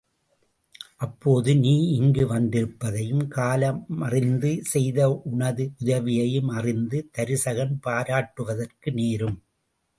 அப்போது நீ இங்கு வந்திருப்பதையும் காலமறிந்து செய்த உனது உதவியையும் அறிந்து தருசகன் பாராட்டுவதற்கு நேரும்.